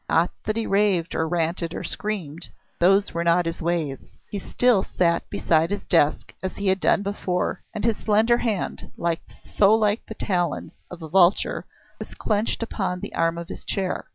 Not that he raved or ranted or screamed. Those were not his ways. He still sat beside his desk as he had done before, and his slender hand, so like the talons of a vulture, was clenched upon the arm of his chair.